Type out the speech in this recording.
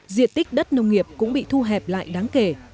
diện tích đất nông nghiệp cũng bị thu hẹp lại đáng kể